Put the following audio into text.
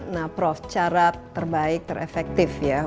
nah prof cara terbaik terefektif ya